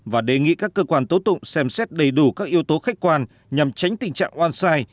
và đề nghị các cơ quan tố tụng xem xét đầy đủ các yếu tố khách quan nhằm tránh tình trạng oan sai